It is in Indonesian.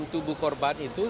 tubuh korban itu